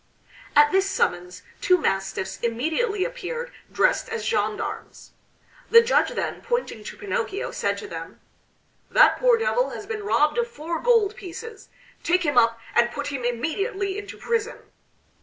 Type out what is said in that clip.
At this summons two mastiffs immediately appeared dressed as gendarmes. The judge then, pointing to Pinocchio said to them: "That poor devil has been robbed of four gold pieces; take him up, and put him immediately into prison."